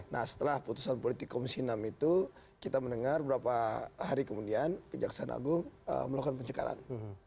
nah setelah putusan politik komisi enam itu kita mendengar beberapa hari kemudian kejaksaan agung melakukan pencegaran